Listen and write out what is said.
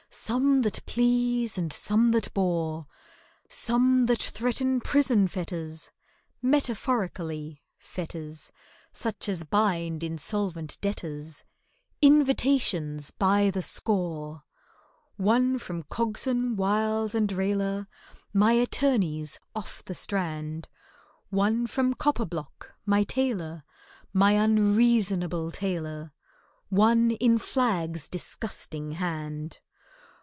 Some that please and some that bore, Some that threaten prison fetters (Metaphorically, fetters Such as bind insolvent debtors)— Invitations by the score. One from COGSON, WILES, and RAILER, My attorneys, off the Strand; One from COPPERBLOCK, my tailor— My unreasonable tailor— One in FLAGG'S disgusting hand.